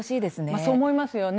そう思いますよね。